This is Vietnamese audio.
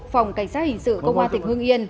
phòng cảnh sát hình sự công an tỉnh hương yên